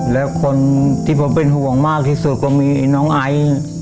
แล้วคนที่ผมเป็นห่วงมากที่สุดก็มีน้องไอ